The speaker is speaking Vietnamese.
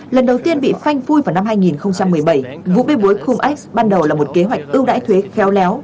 lần đầu tiên bị phanh phui vào năm hai nghìn một mươi bảy vụ bê bối khung ex ban đầu là một kế hoạch ưu đãi thuế khéo léo